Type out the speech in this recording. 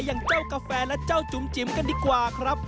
อย่างเจ้ากาแฟและเจ้าจุ๋มจิ๋มกันดีกว่าครับ